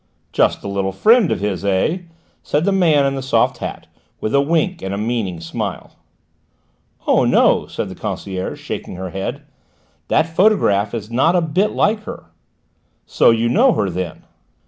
"Just a little friend of his, eh?" said the man in the soft hat, with a wink and a meaning smile. "Oh, no," said the concierge, shaking her head. "That photograph is not a bit like her." "So you know her, then?"